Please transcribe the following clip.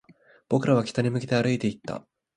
僕らは北に向けて歩いていった